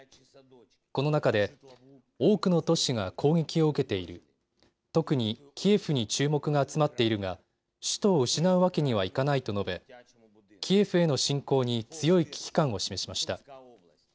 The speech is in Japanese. この中で多くの都市が攻撃を受けている特にキエフに注目が集まっているが首都を失うわけにはいかないと述べ、キエフへの侵攻に強い危機感を示しました。